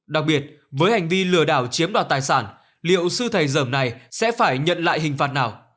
đặc biệt với hành vi lừa đảo chiếm đoạt tài sản liệu sư thầy dởm này sẽ phải nhận lại hình phạt nào